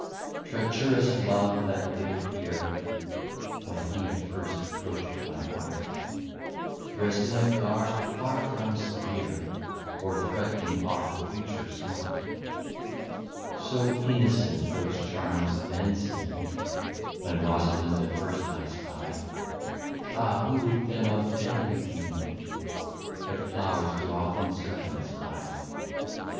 Treacherous Love that did appear, (When he at first approach't my Heart) Drest in a Garb far from severe, Or threatning ought of future smart. So Innocent those Charms then seem'd, When Rosalinda first I spy'd, Ah! Who would them have deadly deem'd? But Flowrs do often Serpents hide.